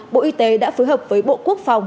bộ y tế đã phối hợp với bộ quốc phòng